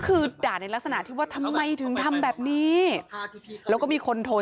คือด่าในลักษณะที่ว่าทำไมถึงทำแบบนี้แล้วก็มีคนโทร